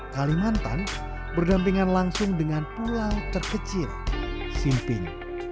kalimantan berdampingan langsung dengan pulau terkecil simping